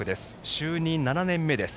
就任７年目です。